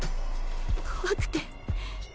怖くて。